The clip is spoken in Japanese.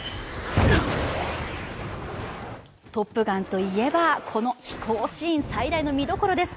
「トップガン」といえばこの飛行シーン最大の見どころです。